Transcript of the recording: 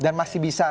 dan masih bisa